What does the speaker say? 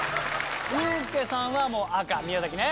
ユースケさんは赤宮崎ね。